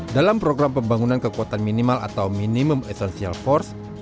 dalam program pembangunan kekuatan minimal atau minimum essential force